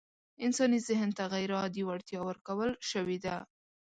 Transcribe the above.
انساني ذهن ته غيرعادي وړتيا ورکول شوې ده.